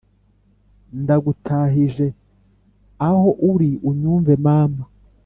ndagutahije aho uri unyumve mama,